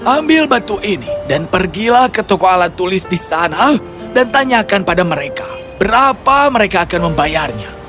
ambil batu ini dan pergilah ke toko alat tulis di sana dan tanyakan pada mereka berapa mereka akan membayarnya